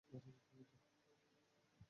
এটা কি বৈধ?